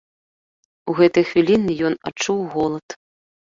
У гэтыя хвіліны ён адчуў голад.